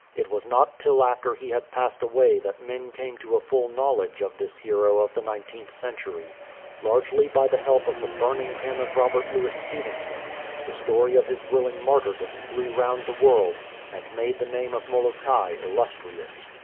It was not till after he had passed away that men came to a full knowledge of this hero of the nineteenth century. Largely by the help of the bui*ning pen of Robert Louis Stevenson, the story of his willing martyrdom flew round the world and made the name of Molokai illustrious.